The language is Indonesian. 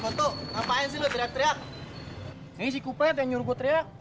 kutu ngapain sih lo teriak teriak ini si kupet yang nyuruh gue teriak